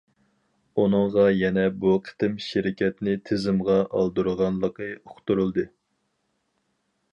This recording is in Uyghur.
ئۇنىڭغا يەنە بۇ قېتىم شىركەتنى تىزىمغا ئالدۇرغانلىقى ئۇقتۇرۇلدى.